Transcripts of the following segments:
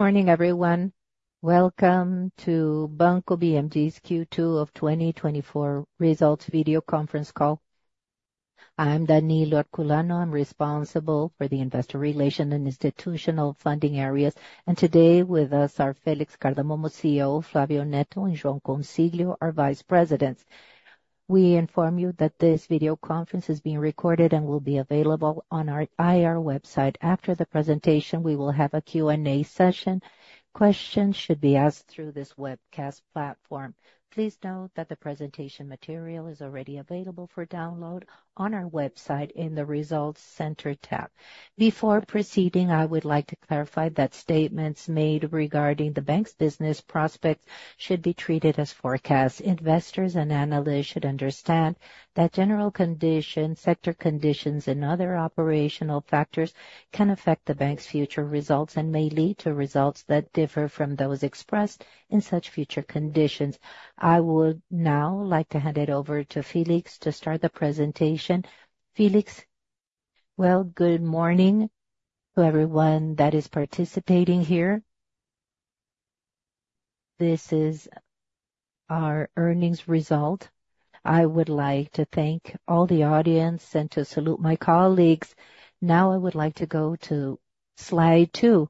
Good morning, everyone. Welcome to Banco BMG's Q2 of 2024 results video conference call. I'm Danilo Herculano, I'm responsible for the investor relations and institutional funding areas, and today with us are Felix Cardamone, CEO, Flávio Guimarães Neto and João Consiglio, our vice presidents. We inform you that this video conference is being recorded and will be available on our IR website. After the presentation, we will have a Q&A session. Questions should be asked through this webcast platform. Please note that the presentation material is already available for download on our website in the Results Center tab. Before proceeding, I would like to clarify that statements made regarding the bank's business prospects should be treated as forecasts. Investors and analysts should understand that general conditions, sector conditions, and other operational factors can affect the bank's future results and may lead to results that differ from those expressed in such future conditions. I would now like to hand it over to Felix to start the presentation. Felix? Well, good morning to everyone that is participating here. This is our earnings result. I would like to thank all the audience and to salute my colleagues. Now I would like to go to slide 2.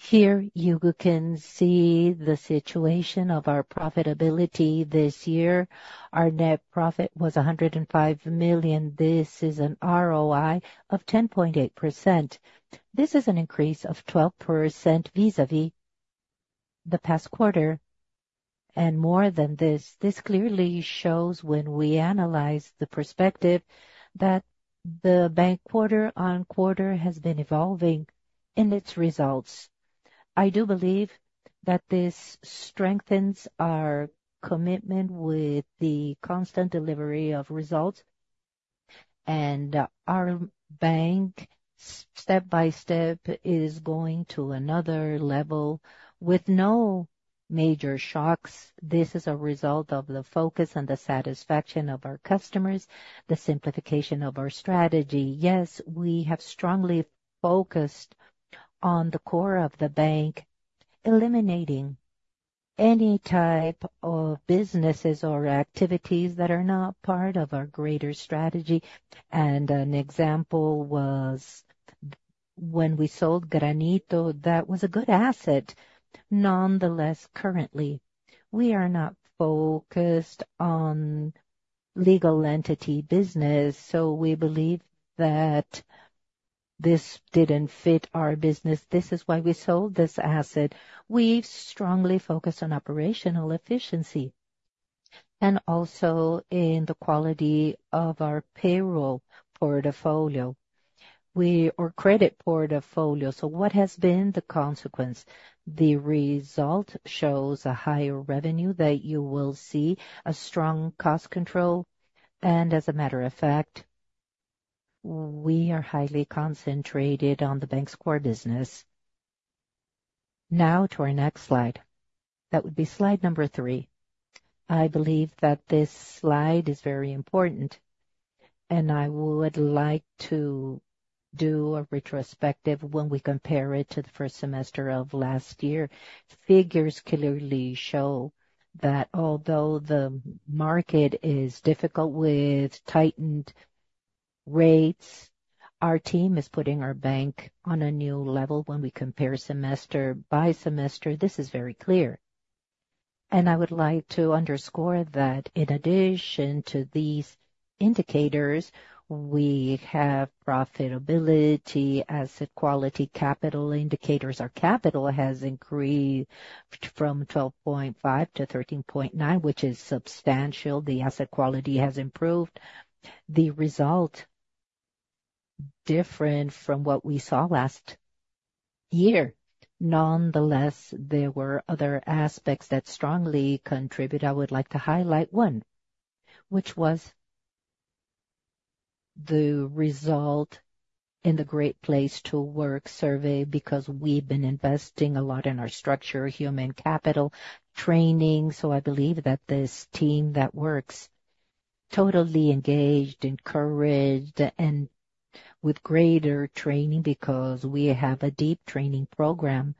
Here, you can see the situation of our profitability this year. Our net profit was 105 million. This is an ROAE of 10.8%. This is an increase of 12% vis-à-vis the past quarter. And more than this, this clearly shows when we analyze the perspective, that the bank quarter-on-quarter has been evolving in its results. I do believe that this strengthens our commitment with the constant delivery of results, and our bank, step by step, is going to another level with no major shocks. This is a result of the focus and the satisfaction of our customers, the simplification of our strategy. Yes, we have strongly focused on the core of the bank, eliminating any type of businesses or activities that are not part of our greater strategy. And an example was when we sold Granito. That was a good asset. Nonetheless, currently, we are not focused on legal entity business, so we believe that this didn't fit our business. This is why we sold this asset. We've strongly focused on operational efficiency and also in the quality of our payroll portfolio, our credit portfolio. So what has been the consequence? The result shows a higher revenue, that you will see a strong cost control, and as a matter of fact, we are highly concentrated on the bank's core business. Now to our next slide. That would be slide number three. I believe that this slide is very important, and I would like to do a retrospective when we compare it to the first semester of last year. Figures clearly show that although the market is difficult with tightened rates, our team is putting our bank on a new level. When we compare semester by semester, this is very clear. And I would like to underscore that in addition to these indicators, we have profitability, asset quality, capital indicators. Our capital has increased from 12.5 to 13.9, which is substantial. The asset quality has improved. The result, different from what we saw last year. Nonetheless, there were other aspects that strongly contribute. I would like to highlight one, which was the result in the Great Place to Work survey, because we've been investing a lot in our structure, human capital, training. So I believe that this team that works totally engaged, encouraged, and with greater training, because we have a deep training program.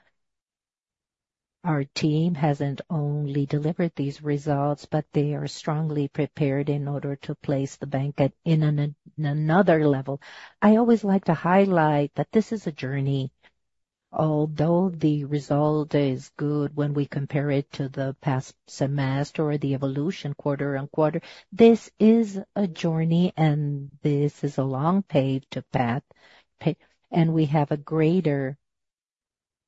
Our team hasn't only delivered these results, but they are strongly prepared in order to place the bank at, at another level. I always like to highlight that this is a journey, although the result is good when we compare it to the past semester or the evolution quarter-on-quarter, this is a journey, and this is a long paved path, and we have a greater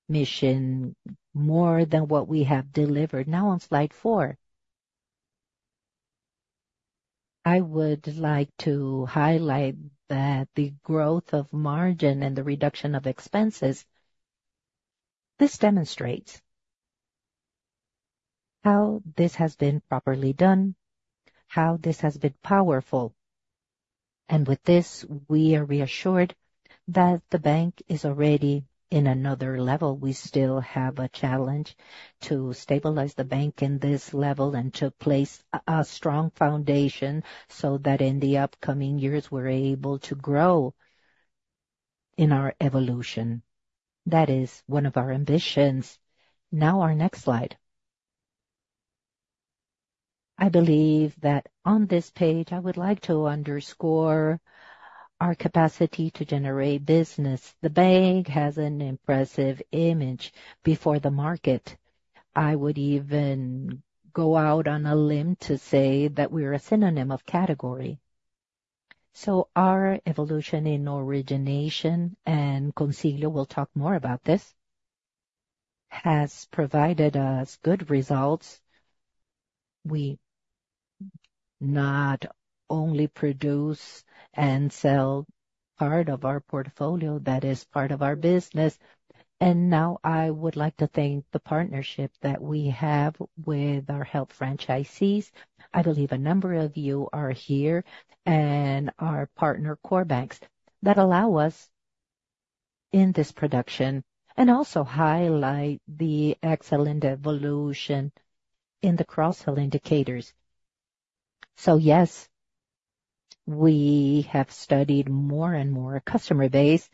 mission, more than what we have delivered. Now on slide four. I would like to highlight that the growth of margin and the reduction of expenses, this demonstrates how this has been properly done, how this has been powerful, and with this, we are reassured that the bank is already in another level. We still have a challenge to stabilize the bank in this level and to place a strong foundation so that in the upcoming years, we're able to grow in our evolution. That is one of our ambitions. Now our next slide... I believe that on this page, I would like to underscore our capacity to generate business. The bank has an impressive image before the market. I would even go out on a limb to say that we're a synonym of category. So our evolution in origination, and Consiglio will talk more about this, has provided us good results. We not only produce and sell part of our portfolio that is part of our business. Now I would like to thank the partnership that we have with our Help! franchisees. I believe a number of you are here, and our partner core banks, that allow us in this production, and also highlight the excellent evolution in the cross-sell indicators. So yes, we have studied more and more customer base.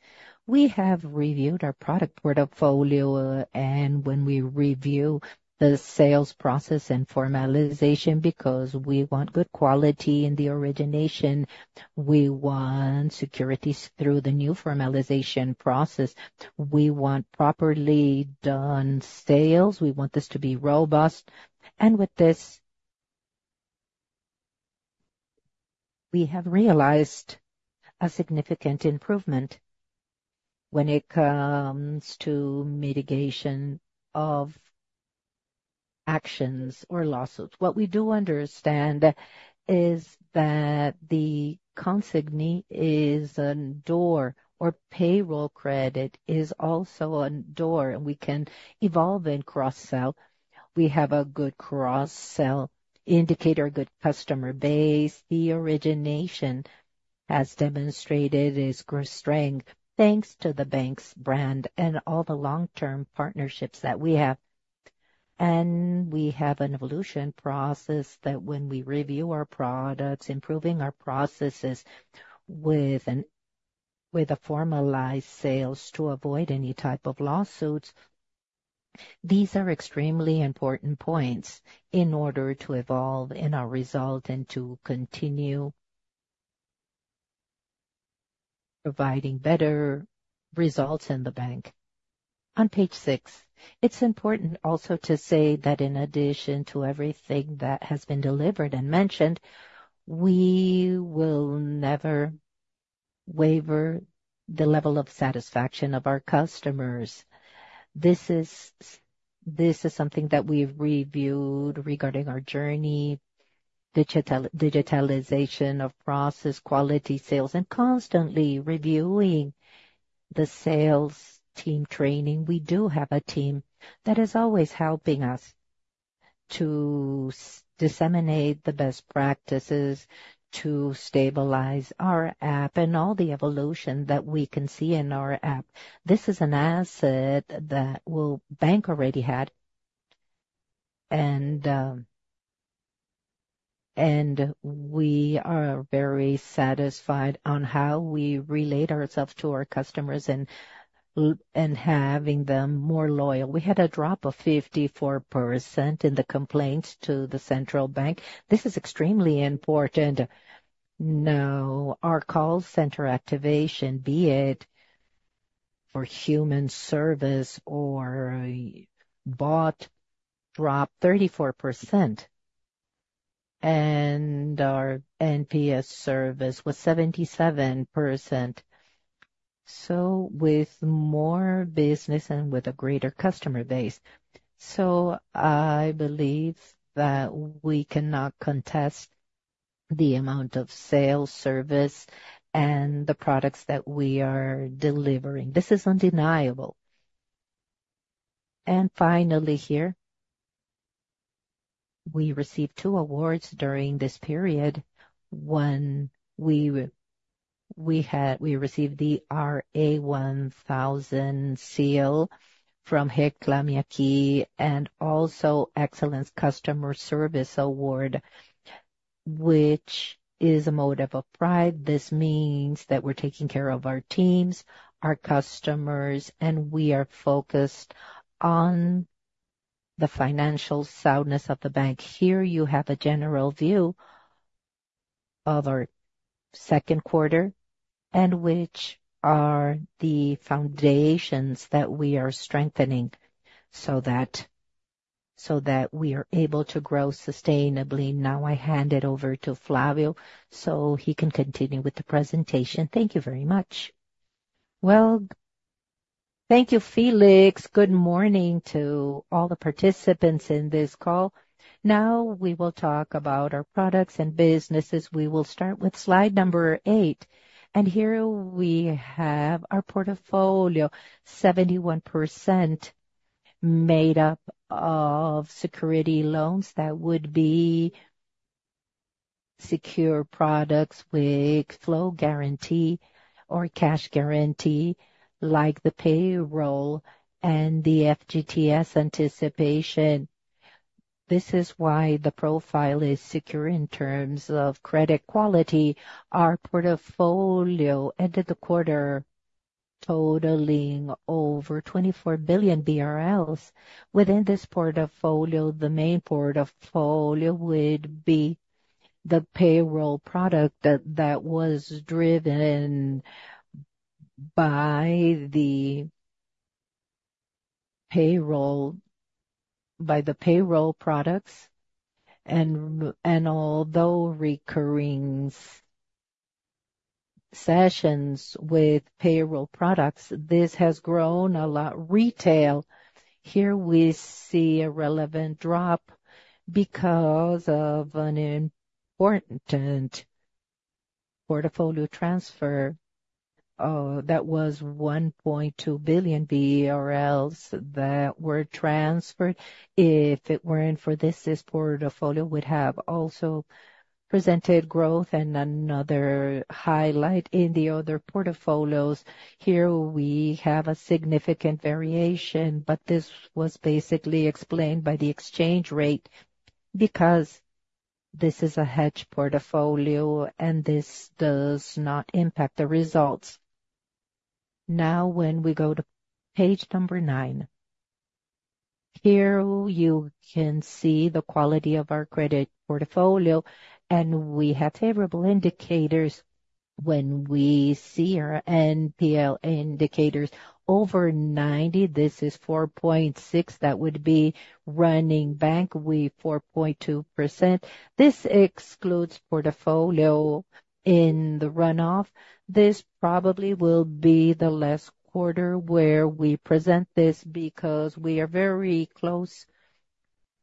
We have reviewed our product portfolio, and when we review the sales process and formalization, because we want good quality in the origination, we want securities through the new formalization process, we want properly done sales, we want this to be robust. With this, we have realized a significant improvement when it comes to mitigation of actions or lawsuits. What we do understand is that the consignado is a door, or payroll credit is also a door, and we can evolve in cross-sell. We have a good cross-sell indicator, good customer base. The origination has demonstrated its growth strength, thanks to the bank's brand and all the long-term partnerships that we have. We have an evolution process that when we review our products, improving our processes with a formalized sales to avoid any type of lawsuits, these are extremely important points in order to evolve in our result and to continue providing better results in the bank. On page six, it's important also to say that in addition to everything that has been delivered and mentioned, we will never waver the level of satisfaction of our customers. This is, this is something that we've reviewed regarding our journey, digitalization of process, quality, sales, and constantly reviewing the sales team training. We do have a team that is always helping us to disseminate the best practices, to stabilize our app and all the evolution that we can see in our app. This is an asset that, well, bank already had, and, and we are very satisfied on how we relate ourselves to our customers and having them more loyal. We had a drop of 54% in the complaints to the central bank. This is extremely important. Now, our call center activation, be it for human service or bot, dropped 34%, and our NPS service was 77%, so with more business and with a greater customer base. So I believe that we cannot contest the amount of sales, service, and the products that we are delivering. This is undeniable. And finally, here, we received two awards during this period. One, we received the RA1000 Seal from Reclame Aqui, and also Excellence Customer Service Award, which is a mode of pride. This means that we're taking care of our teams, our customers, and we are focused on the financial soundness of the bank. Here you have a general view of our second quarter, and which are the foundations that we are strengthening, so that we are able to grow sustainably. Now, I hand it over to Flávio, so he can continue with the presentation. Thank you very much. Well, thank you, Felix. Good morning to all the participants in this call. Now, we will talk about our products and businesses. We will start with slide number eight, and here we have our portfolio, 71% made up of secured loans. That would be secure products with flow guarantee or cash guarantee, like the payroll and the FGTS anticipation. This is why the profile is secure in terms of credit quality. Our portfolio ended the quarter totaling over 24 billion BRL. Within this portfolio, the main portfolio would be the payroll product that was driven by the payroll, by the payroll products. And although recurring sessions with payroll products, this has grown a lot. Retail, here we see a relevant drop because of an important portfolio transfer that was 1.2 billion that were transferred. If it weren't for this, this portfolio would have also presented growth. Another highlight in the other portfolios, here we have a significant variation, but this was basically explained by the exchange rate, because this is a hedge portfolio, and this does not impact the results. Now, when we go to page nine, here you can see the quality of our credit portfolio, and we have favorable indicators. When we see our NPL indicators over 90, this is 4.6, that would be running bank, with 4.2%. This excludes portfolio in the runoff. This probably will be the last quarter where we present this, because we are very close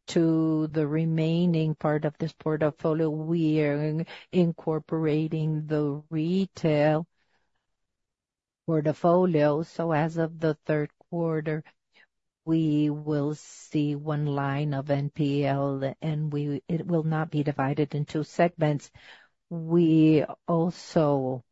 to the remaining part of this portfolio. We are incorporating the retail portfolio. So as of the third quarter, we will see one line of NPL, and it will not be divided in two segments. We also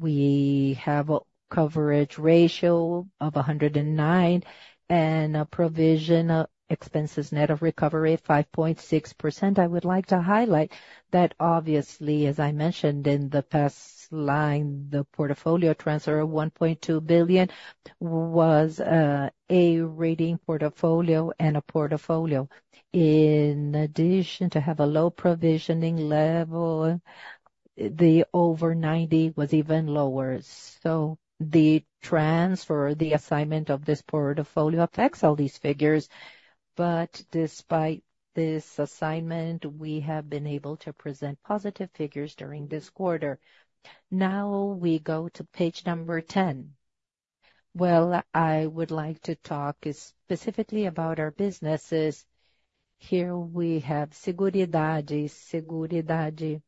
have a coverage ratio of 109, and a provision of expenses net of recovery of 5.6%. I would like to highlight that obviously, as I mentioned in the past line, the portfolio transfer of 1.2 billion was a rating portfolio and a portfolio. In addition to have a low provisioning level, the over 90 was even lower. So the transfer, the assignment of this portfolio affects all these figures. But despite this assignment, we have been able to present positive figures during this quarter. Now we go to page number 10. Well, I would like to talk specifically about our businesses. Here we have Seguridade. Seguridade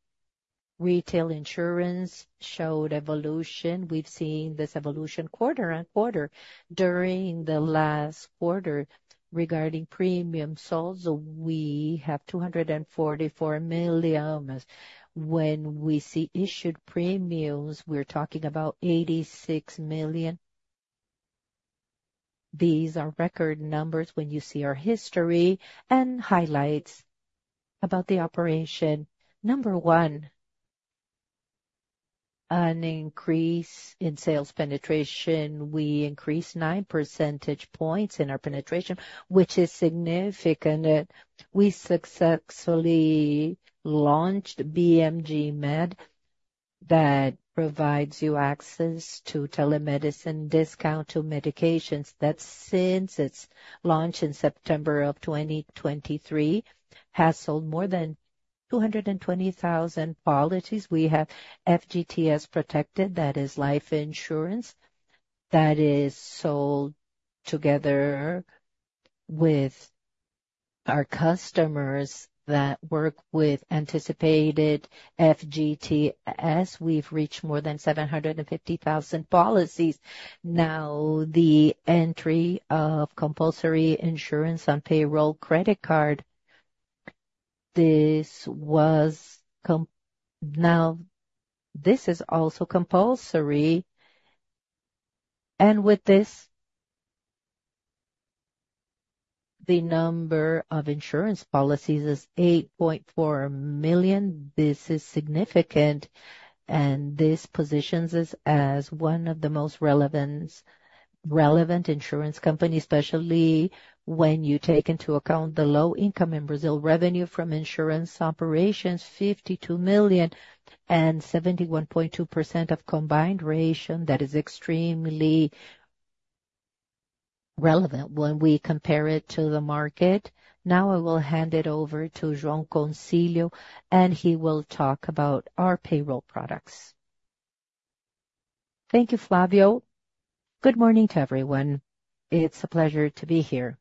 retail insurance showed evolution. We've seen this evolution quarter-on-quarter. During the last quarter, regarding premium sales, we have 244 million. When we see issued premiums, we're talking about 86 million. These are record numbers when you see our history and highlights about the operation. Number one, an increase in sales penetration. We increased 9 percentage points in our penetration, which is significant. We successfully launched BMG Med, that provides you access to telemedicine, discount to medications, that since its launch in September 2023, has sold more than 220,000 policies. We have FGTS Protected, that is life insurance, that is sold together with our customers that work with anticipated FGTS. We've reached more than 750,000 policies. Now, the entry of compulsory insurance on payroll credit card, now, this is also compulsory, and with this, the number of insurance policies is 8.4 million. This is significant, and this positions us as one of the most relevant insurance companies, especially when you take into account the low income in Brazil. Revenue from insurance operations, 52 million and 71.2% combined ratio. That is extremely relevant when we compare it to the market. Now I will hand it over to João Consiglio, and he will talk about our payroll products. Thank you, Flávio. Good morning to everyone. It's a pleasure to be here.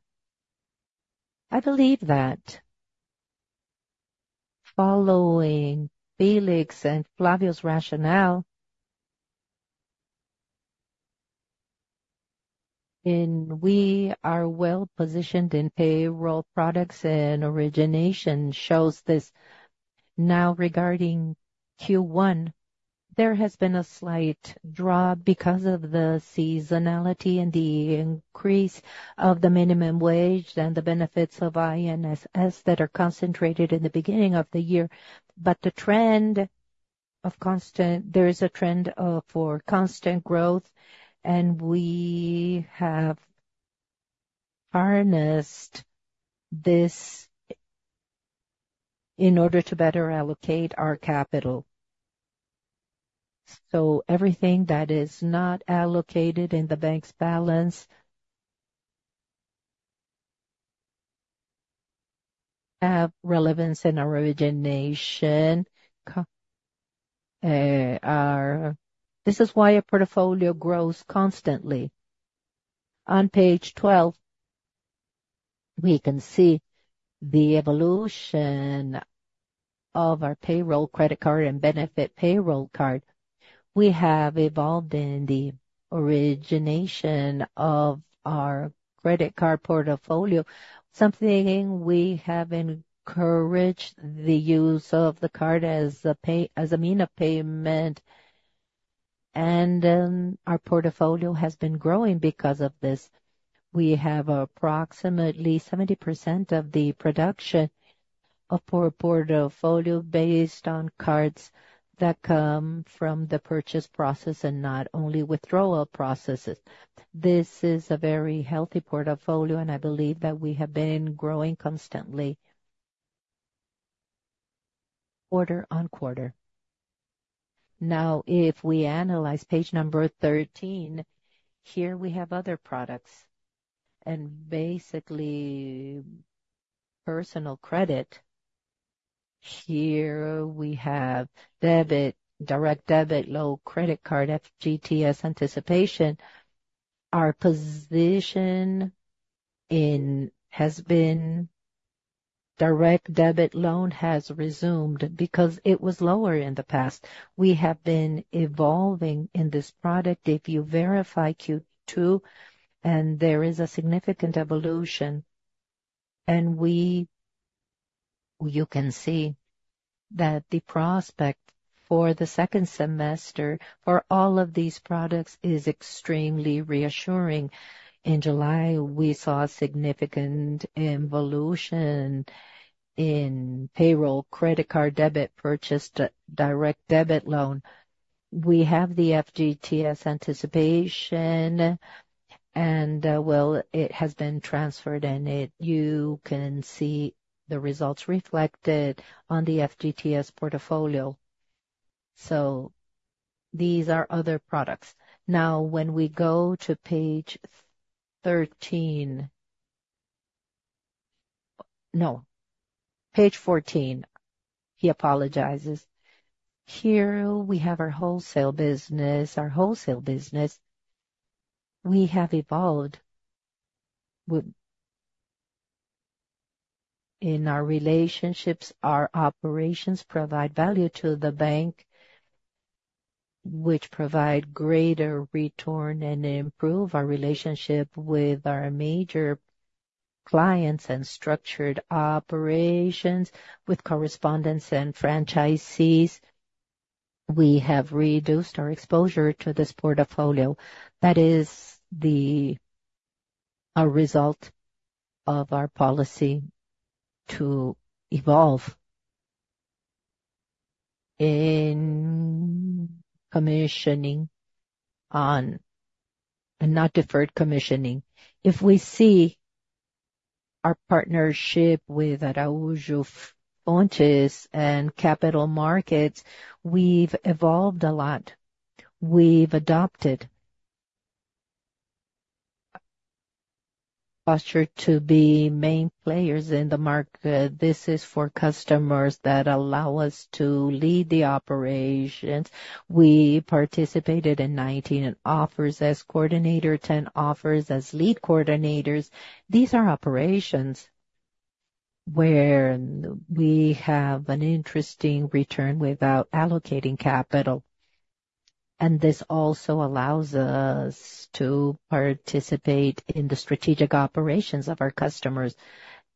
I believe that following Felix and Flávio's rationale, and we are well-positioned in payroll products, and origination shows this. Now, regarding Q1, there has been a slight drop because of the seasonality and the increase of the minimum wage and the benefits of INSS that are concentrated in the beginning of the year. There is a trend for constant growth, and we have to harness this in order to better allocate our capital. So everything that is not allocated in the bank's balance has relevance in our origination costs. This is why our portfolio grows constantly. On page 12, we can see the evolution of our payroll credit card and benefit payroll card. We have evolved in the origination of our credit card portfolio, something we have encouraged the use of the card as a means of payment, and then our portfolio has been growing because of this. We have approximately 70% of the production of our portfolio based on cards that come from the purchase process and not only withdrawal processes. This is a very healthy portfolio, and I believe that we have been growing constantly, quarter-on-quarter. Now, if we analyze page number 13, here we have other products and basically personal credit. Here we have debit, direct debt, payroll credit card, FGTS anticipation. Our position in direct debt loan has resumed because it was lower in the past. We have been evolving in this product. If you verify Q2, and there is a significant evolution, and you can see that the prospect for the second semester for all of these products is extremely reassuring. In July, we saw a significant evolution in payroll, credit card, debit purchase, direct debt loan. We have the FGTS anticipation, and, well, it has been transferred, and you can see the results reflected on the FGTS portfolio. So these are other products. Now, when we go to page 13... No, page 14. He apologizes. Here we have our wholesale business. Our wholesale business, we have evolved with... In our relationships, our operations provide value to the bank, which provide greater return and improve our relationship with our major clients and structured operations with correspondents and franchisees. We have reduced our exposure to this portfolio. That is a result of our policy to evolve in commissioning on, and not deferred commissioning. If we see our partnership with Araújo Fontes and capital markets, we've evolved a lot. We've adopted posture to be main players in the market. This is for customers that allow us to lead the operations. We participated in 19 offers as coordinator, 10 offers as lead coordinators. These are operations where we have an interesting return without allocating capital, and this also allows us to participate in the strategic operations of our customers.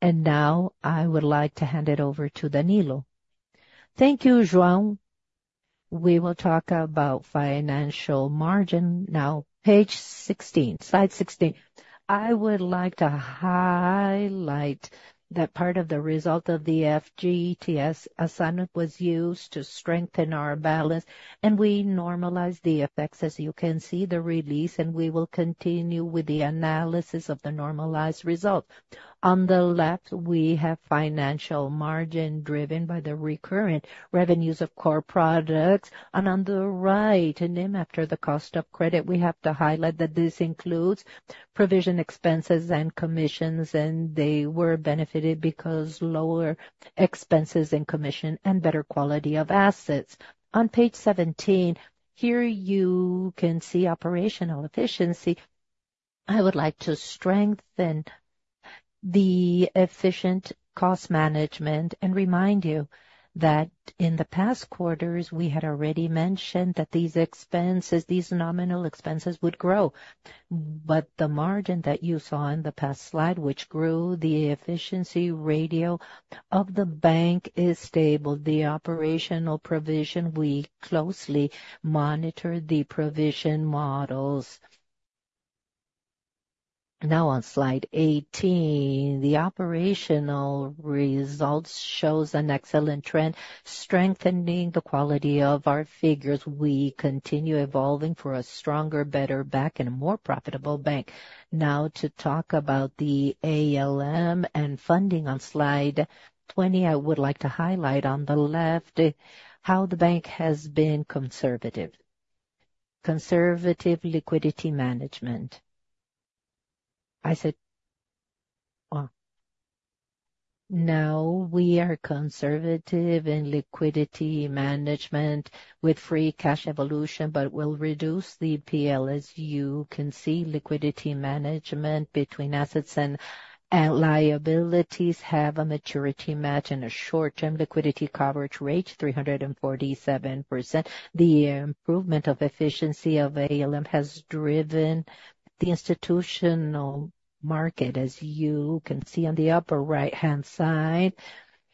Now I would like to hand it over to Danilo. Thank you, João. We will talk about financial margin now. Page 16, slide 16. I would like to highlight that part of the result of the FGTS assignment was used to strengthen our balance, and we normalized the effects, as you can see, the release, and we will continue with the analysis of the normalized result. On the left, we have financial margin driven by the recurrent revenues of core products, and on the right, and then after the cost of credit, we have to highlight that this includes provision expenses and commissions, and they were benefited because lower expenses and commission and better quality of assets. On page 17, here you can see operational efficiency. I would like to strengthen the efficient cost management and remind you that in the past quarters, we had already mentioned that these expenses, these nominal expenses, would grow. But the margin that you saw in the past slide, which grew, the efficiency ratio of the bank, is stable. The operational provision, we closely monitor the provision models. Now on slide 18... The operational results shows an excellent trend, strengthening the quality of our figures. We continue evolving for a stronger, better bank, and a more profitable bank. Now to talk about the ALM and funding on slide 20, I would like to highlight on the left, how the bank has been conservative. Conservative liquidity management. I said, oh, now we are conservative in liquidity management with free cash evolution, but will reduce the PL. As you can see, liquidity management between assets and, and liabilities have a maturity match and a short-term liquidity coverage rate, 347%. The improvement of efficiency of ALM has driven the institutional market, as you can see on the upper right-hand side.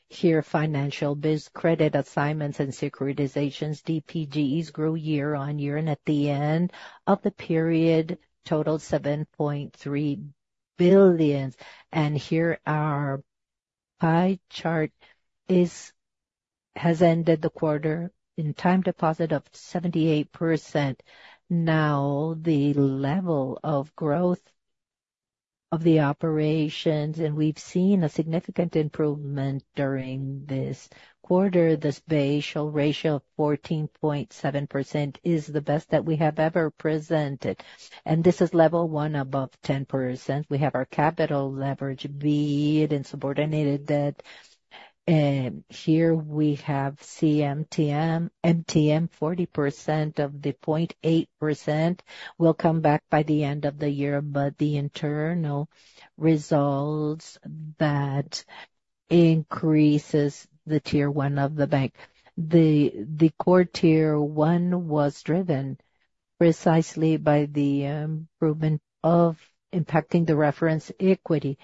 Here, financial bills, credit assignments and securitizations, DPGEs grow year on year, and at the end of the period, total 7.3 billion. Here, our pie chart is, has ended the quarter in time deposit of 78%. Now, the level of growth of the operations, and we've seen a significant improvement during this quarter. The Basel ratio of 14.7% is the best that we have ever presented, and this is level 1 above 10%. We have our capital leverage, be it in subordinated debt. Here we have MtM. MtM, 40% of the 0.8% will come back by the end of the year, but the internal results that increases the Tier 1 of the bank. The core Tier 1 was driven precisely by the improvement of impacting the reference equity.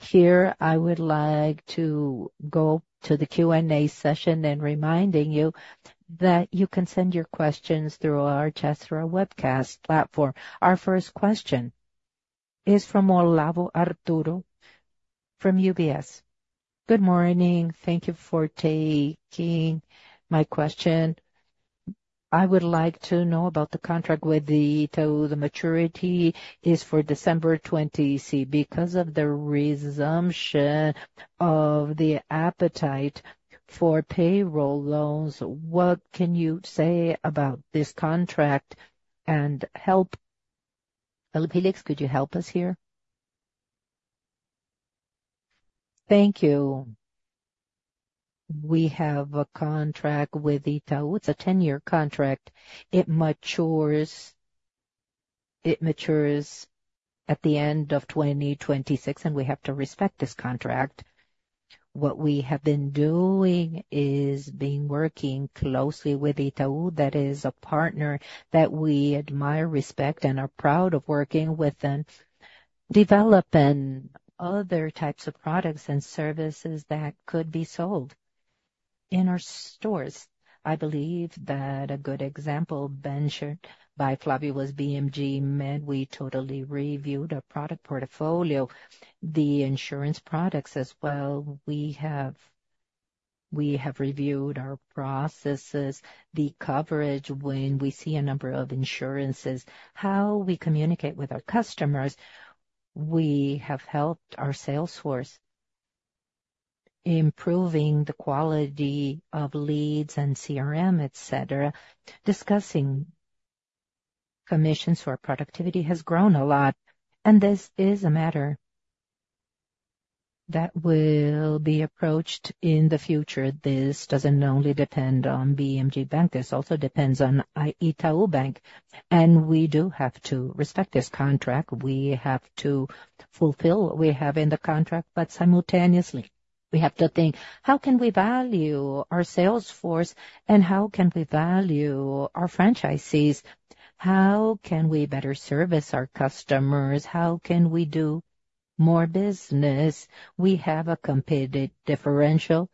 Here, I would like to go to the Q&A session and reminding you that you can send your questions through our chat through our webcast platform. Our first question is from Olavo Arthuzo from UBS. Good morning. Thank you for taking my question. I would like to know about the contract with the Itaú. The maturity is for December 2024. Because of the resumption of the appetite for payroll loans, what can you say about this contract and help--Felix, could you help us here? Thank you. We have a contract with Itaú. It's a 10-year contract. It matures, it matures at the end of 2026, and we have to respect this contract. What we have been doing is being working closely with Itaú. That is a partner that we admire, respect, and are proud of working with, and developing other types of products and services that could be sold in our stores. I believe that a good example ventured by Flávio was BMG Med. We totally reviewed our product portfolio, the insurance products as well. We have, we have reviewed our processes, the coverage, when we see a number of insurances, how we communicate with our customers. We have helped our sales force, improving the quality of leads and CRM, et cetera. Discussing commissions for productivity has grown a lot, and this is a matter that will be approached in the future. This doesn't only depend on BMG Bank, this also depends on Itaú Bank, and we do have to respect this contract. We have to fulfill what we have in the contract, but simultaneously, we have to think: How can we value our sales force, and how can we value our franchisees? How can we better service our customers? How can we do more business? We have a competitive differential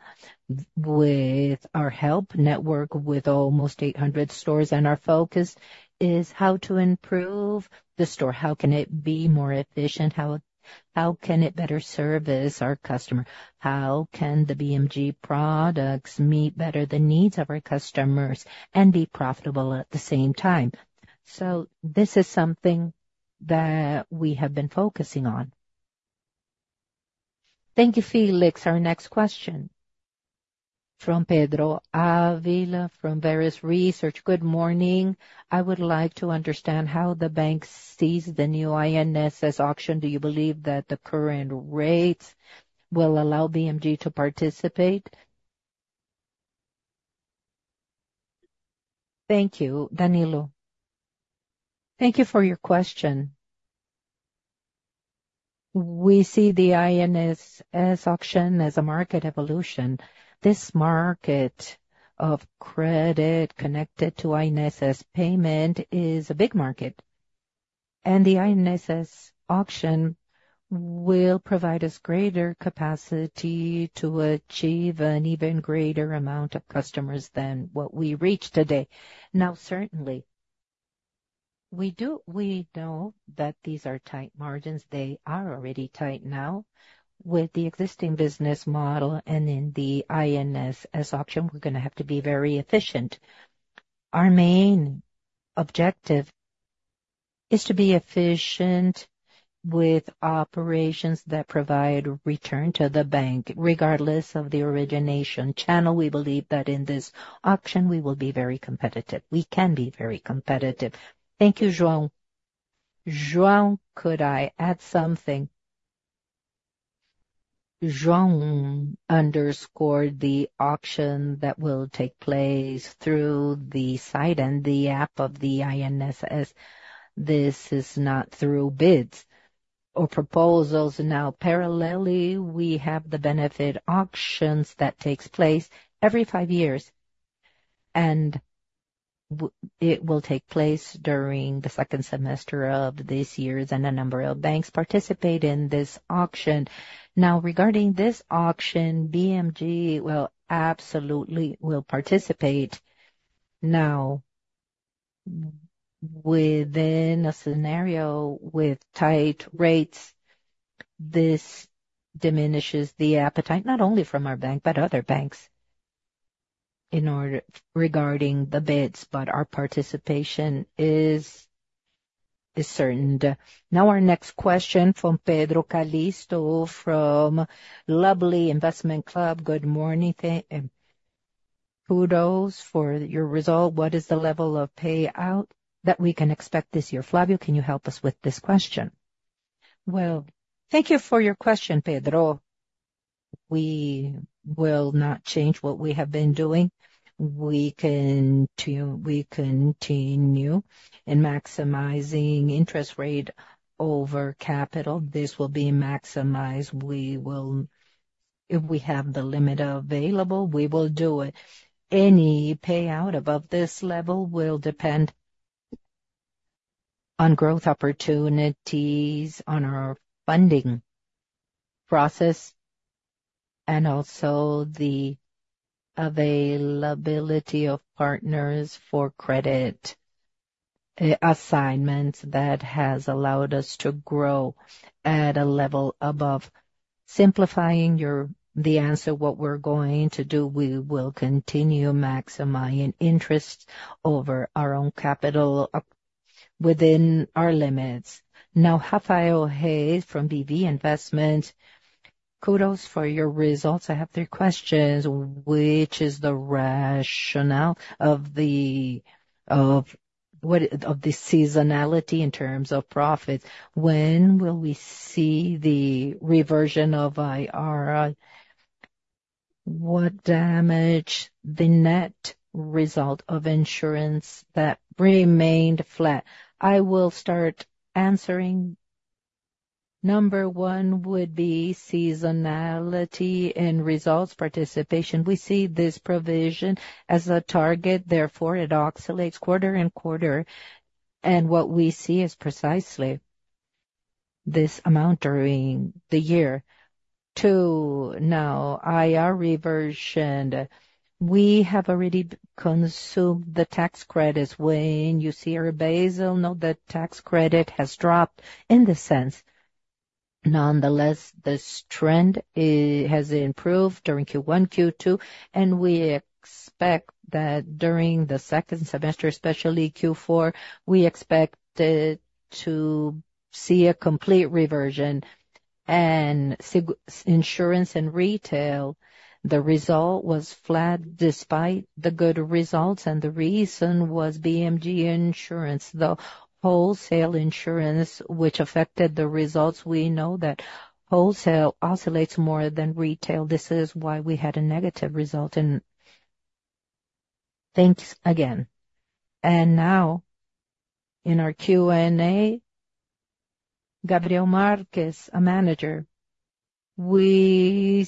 with our help network, with almost 800 stores, and our focus is how to improve the store. How can it be more efficient? How can it better service our customer? How can the BMG products meet better the needs of our customers and be profitable at the same time? So this is something that we have been focusing on. Thank you, Felix. Our next question from Pedro Ávila from VAROS Research. Good morning. I would like to understand how the bank sees the new INSS auction. Do you believe that the current rates will allow BMG to participate? Thank you, Danilo. Thank you for your question. We see the INSS auction as a market evolution. This market of credit connected to INSS payment is a big market, and the INSS auction will provide us greater capacity to achieve an even greater amount of customers than what we reach today. Now, certainly. We do know that these are tight margins. They are already tight now. With the existing business model, and in the INSS option, we're gonna have to be very efficient. Our main objective is to be efficient with operations that provide return to the bank, regardless of the origination channel. We believe that in this auction, we will be very competitive. We can be very competitive. Thank you, João. João, could I add something? João underscored the auction that will take place through the site and the app of the INSS. This is not through bids or proposals. Now, parallelly, we have the benefit auctions that takes place every five years, and it will take place during the second semester of this year, and a number of banks participate in this auction. Now, regarding this auction, BMG will absolutely will participate. Now, within a scenario with tight rates, this diminishes the appetite, not only from our bank, but other banks, in order regarding the bids, but our participation is, is certain. Now, our next question from Pedro Calixto, from Clube de Investimento Lublin. Good morning, thank you and kudos for your result. What is the level of payout that we can expect this year? Flávio, can you help us with this question? Well, thank you for your question, Pedro. We will not change what we have been doing. We continue, we continue in maximizing interest rate over capital. This will be maximized. We will - if we have the limit available, we will do it. Any payout above this level will depend on growth opportunities, on our funding process, and also the availability of partners for credit assignments that has allowed us to grow at a level above. Simplifying your, the answer, what we're going to do, we will continue maximizing interest over our own capital up within our limits. Now, Rafael Reis from BB Investimentos. Kudos for your results. I have three questions: Which is the rationale of the seasonality in terms of profits? When will we see the inversion of IR? What damaged the net result of insurance that remained flat? I will start answering. Number one would be seasonality and results participation. We see this provision as a target, therefore, it oscillates quarter and quarter, and what we see is precisely this amount during the year. Two, now, IR reversion. We have already consumed the tax credits. When you see our Basel, note that tax credit has dropped in this sense. Nonetheless, this trend has improved during Q1, Q2, and we expect that during the second semester, especially Q4, we expect to see a complete reversion. And insurance and retail, the result was flat despite the good results, and the reason was BMG Insurance, the wholesale insurance, which affected the results. We know that wholesale oscillates more than retail. This is why we had a negative result in... Thanks again. And now, in our Q&A, Gabriel Marques, a manager. We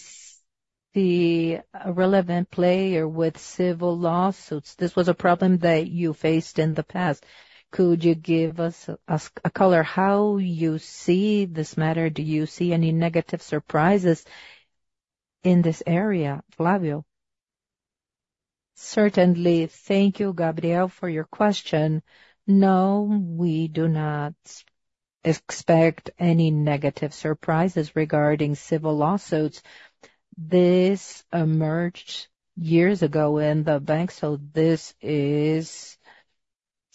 see a relevant player with civil lawsuits. This was a problem that you faced in the past. Could you give us a color how you see this matter? Do you see any negative surprises in this area? Flávio? Certainly. Thank you, Gabriel, for your question. No, we do not expect any negative surprises regarding civil lawsuits. This emerged years ago in the bank, so this is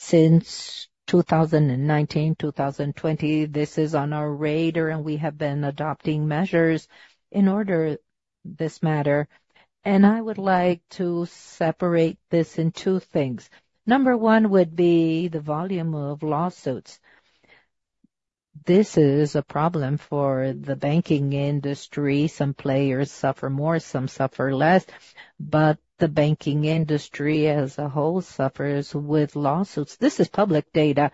since 2019, 2020. This is on our radar, and we have been adopting measures in order this matter. And I would like to separate this in two things. Number one would be the volume of lawsuits. This is a problem for the banking industry. Some players suffer more, some suffer less, but the banking industry as a whole suffers with lawsuits. This is public data.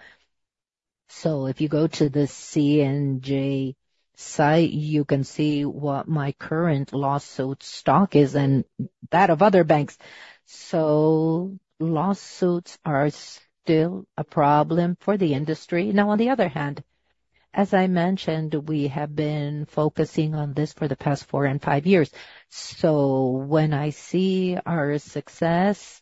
So if you go to the CNJ site, you can see what my current lawsuit stock is and that of other banks. So lawsuits are still a problem for the industry. Now, on the other hand, as I mentioned, we have been focusing on this for the past 4 and 5 years. So when I see our success,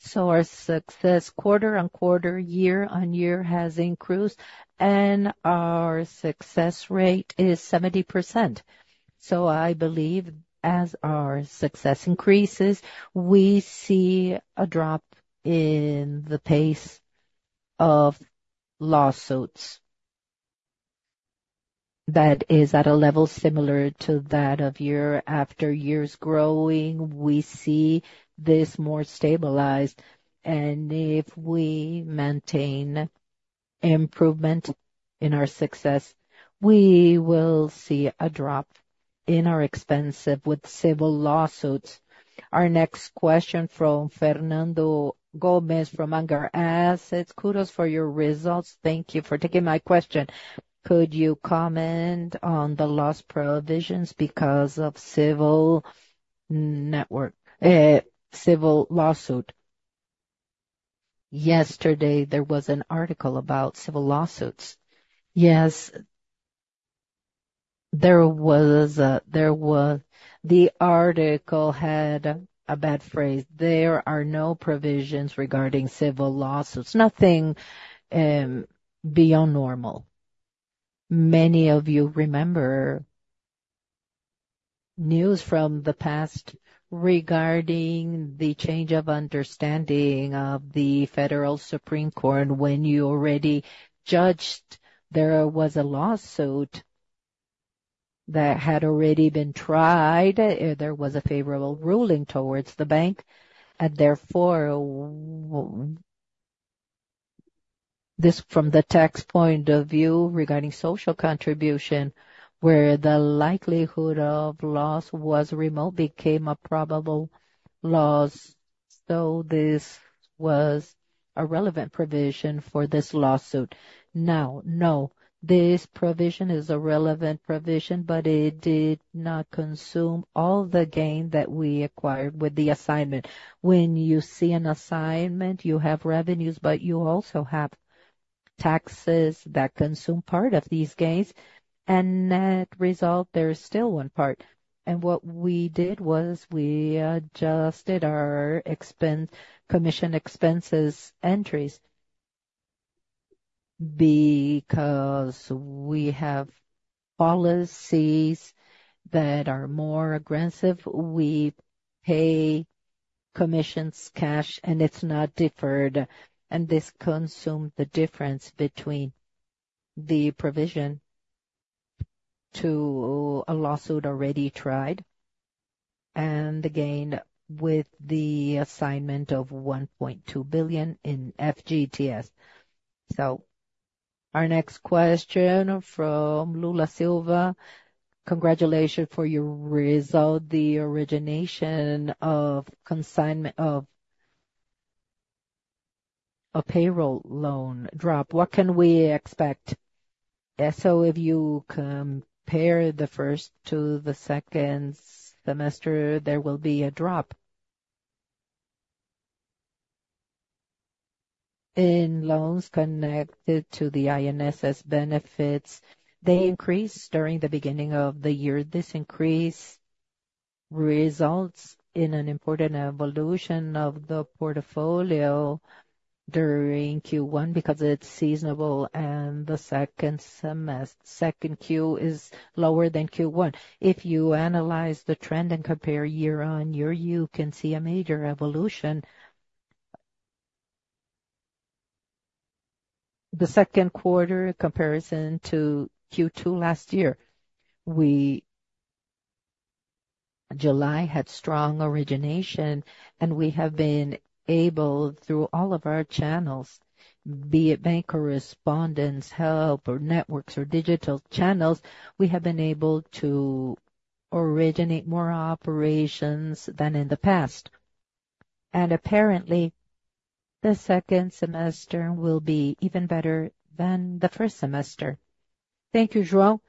so our success quarter-on-quarter, year-on-year has increased, and our success rate is 70%. So I believe as our success increases, we see a drop in the pace of lawsuits. That is at a level similar to that of year after years growing, we see this more stabilized, and if we maintain improvement in our success, we will see a drop in our expenses with civil lawsuits. Our next question from Fernando Gomes, from Angá Assets. Kudos for your results. Thank you for taking my question. Could you comment on the loss provisions because of civil network, civil lawsuit? Yesterday, there was an article about civil lawsuits. Yes. There was... The article had a bad phrase. There are no provisions regarding civil lawsuits, nothing beyond normal. Many of you remember news from the past regarding the change of understanding of the Federal Supreme Court, when you already judged there was a lawsuit that had already been tried, there was a favorable ruling towards the bank, and therefore, this from the tax point of view, regarding social contribution, where the likelihood of loss was remote, became a probable loss. So this was a relevant provision for this lawsuit. Now, no, this provision is a relevant provision, but it did not consume all the gain that we acquired with the assignment. When you see an assignment, you have revenues, but you also have taxes that consume part of these gains, and net result, there is still one part. And what we did was we adjusted our expenditure commission expenses entries because we have policies that are more aggressive. We pay commissions, cash, and it's not deferred, and this consumed the difference between the provision to a lawsuit already tried and the gain with the assignment of 1.2 billion in FGTS. So our next question from Luna Silva: Congratulations for your result, the origination of consignment of a payroll loan drop. What can we expect? So if you compare the first to the second semester, there will be a drop. In loans connected to the INSS benefits, they increased during the beginning of the year. This increase results in an important evolution of the portfolio during Q1, because it's seasonal and the second semester second quarter is lower than Q1. If you analyze the trend and compare year-on-year, you can see a major evolution. The second quarter in comparison to Q2 last year, we July had strong origination, and we have been able, through all of our channels, be it bank correspondents, help!, or networks or digital channels, we have been able to originate more operations than in the past. And apparently, the second semester will be even better than the first semester. Thank you, João.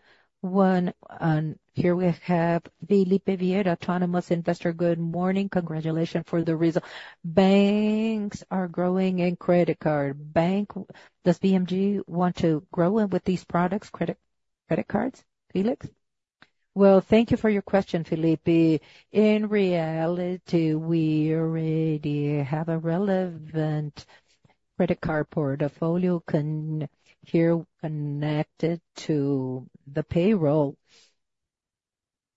One, and here we have Felipe Vieira, autonomous investor. Good morning. Congratulations for the result. Banks are growing in credit card. Bank Does BMG want to grow with these products, credit, credit cards, Felix? Well, thank you for your question, Felipe. In reality, we already have a relevant credit card portfolio connected to the payroll.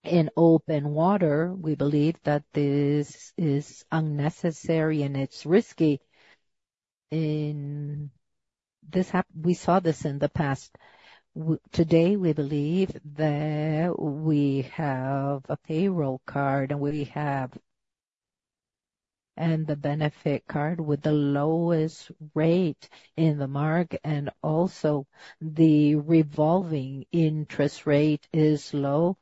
In open water, we believe that this is unnecessary and it's risky. In This happened we saw this in the past. Today, we believe that we have a payroll card and the benefit card with the lowest rate in the market, and also the revolving interest rate is low.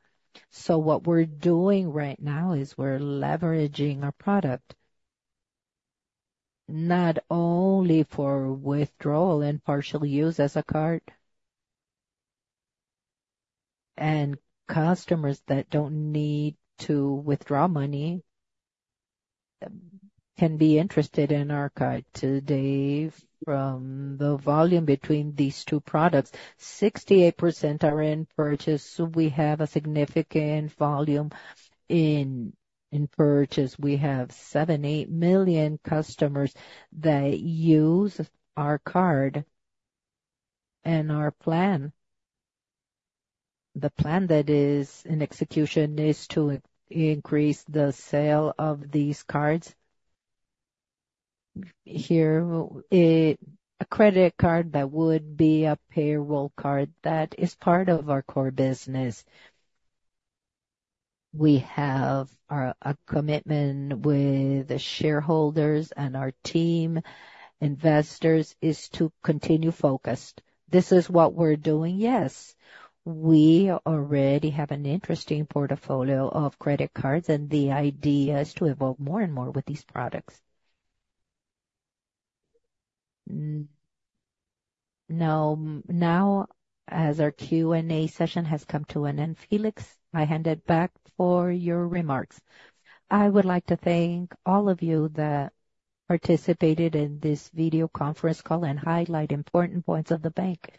So what we're doing right now is we're leveraging our product, not only for withdrawal and partial use as a card. And customers that don't need to withdraw money can be interested in our card. Today, from the volume between these two products, 68% are in purchase. So we have a significant volume in purchase. We have 78 million customers that use our card and our plan. The plan that is in execution is to increase the sale of these cards. Here, a credit card that would be a payroll card, that is part of our core business. We have a commitment with the shareholders and our team, investors, is to continue focused. This is what we're doing. Yes, we already have an interesting portfolio of credit cards, and the idea is to evolve more and more with these products. Now, as our Q&A session has come to an end, Felix, I hand it back for your remarks. I would like to thank all of you that participated in this video conference call, and highlight important points of the bank.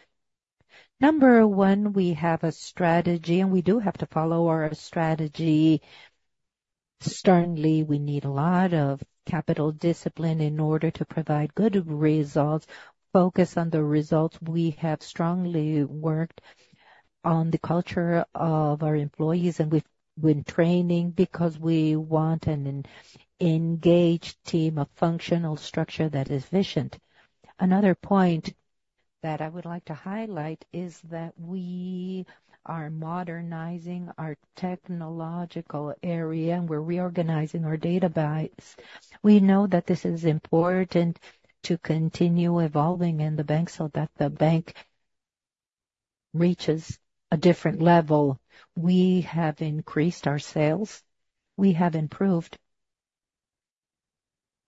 Number one, we have a strategy, and we do have to follow our strategy. Strongly, we need a lot of capital discipline in order to provide good results, focus on the results. We have strongly worked on the culture of our employees, and with training, because we want an engaged team, a functional structure that is efficient. Another point that I would like to highlight is that we are modernizing our technological area, and we're reorganizing our database. We know that this is important to continue evolving in the bank, so that the bank reaches a different level. We have increased our sales. We have improved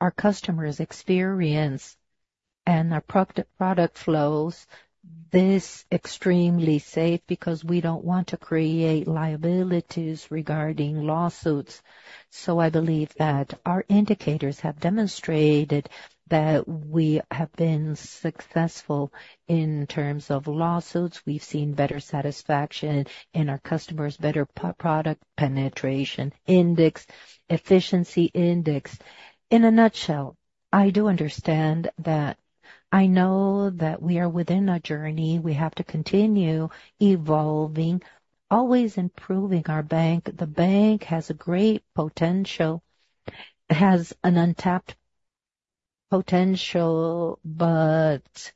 our customers' experience and our product flows. This is extremely safe, because we don't want to create liabilities regarding lawsuits. So I believe that our indicators have demonstrated that we have been successful in terms of lawsuits. We've seen better satisfaction in our customers, better product penetration index, efficiency index. In a nutshell, I do understand that I know that we are within a journey. We have to continue evolving, always improving our bank. The bank has a great potential, it has an untapped potential, but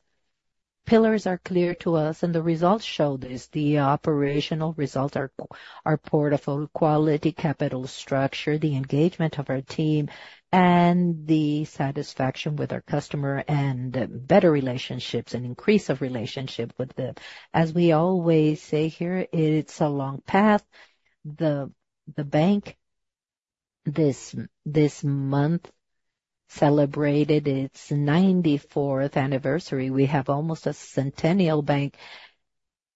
pillars are clear to us, and the results show this. The operational results are portfolio quality, capital structure, the engagement of our team, and the satisfaction with our customer, and better relationships and increase of relationship with them. As we always say here, it's a long path. The bank this month celebrated its ninety-fourth anniversary. We have almost a centennial bank,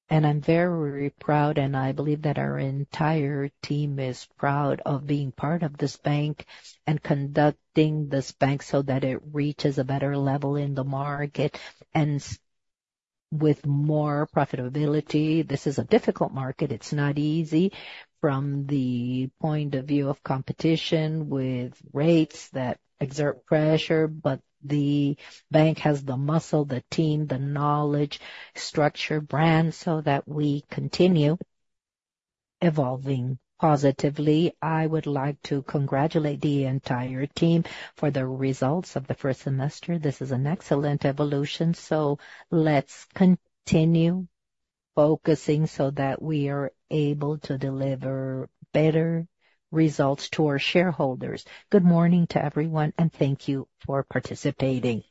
and I'm very proud, and I believe that our entire team is proud of being part of this bank, and conducting this bank so that it reaches a better level in the market and with more profitability. This is a difficult market. It's not easy from the point of view of competition with rates that exert pressure, but the bank has the muscle, the team, the knowledge, structure, brand, so that we continue evolving positively. I would like to congratulate the entire team for the results of the first semester. This is an excellent evolution, so let's continue focusing so that we are able to deliver better results to our shareholders. Good morning to everyone, and thank you for participating.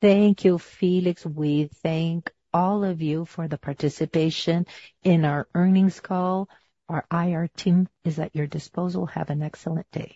Thank you, Felix. We thank all of you for the participation in our earnings call. Our IR team is at your disposal. Have an excellent day.